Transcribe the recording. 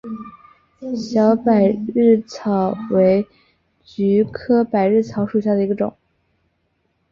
小百日草为菊科百日草属下的一个种。